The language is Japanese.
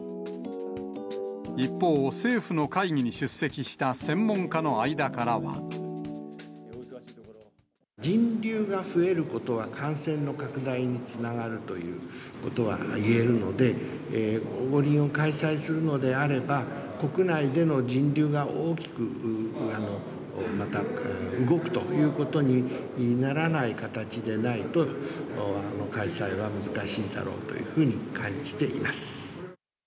一方、政府の会議に出席した専門家の間からは。人流が増えることは感染の拡大につながるということはいえるので、五輪を開催するのであれば、国内での人流が大きくまた動くということにならない形でないと、開催は難しいだろうというふうに感じています。